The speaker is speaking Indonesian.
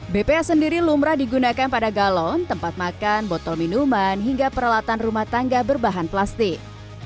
bpa sendiri lumrah digunakan pada galon tempat makan botol minuman hingga peralatan rumah tangga berbahan plastik